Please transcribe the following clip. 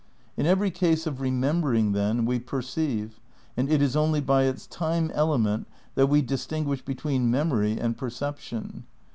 ' In every case of remembering, then, we perceive, and it is only by its time element that we distinguish be tween memory and perception.